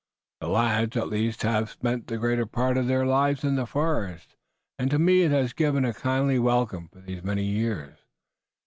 The lads, at least have spent the greater part of their lives in the forest, and to me it has given a kindly welcome for these many years.